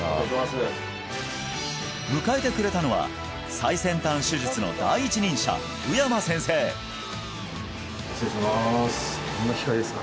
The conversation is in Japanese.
迎えてくれたのは最先端手術の第一人者宇山先生失礼します